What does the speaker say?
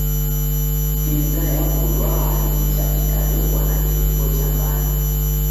Piza yaw'urwa nicha ikadekwa na iriko ja mbande.